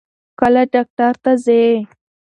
کله ډاکټر ته ځې؟